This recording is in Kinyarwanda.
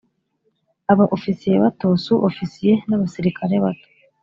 Aba Ofisiye Bato Su Ofisiye n Abasirikare Bato